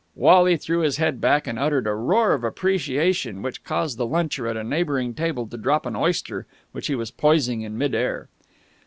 Wally threw his head back and uttered a roar of appreciation which caused a luncher at a neighbouring table to drop an oyster which he was poising in mid air.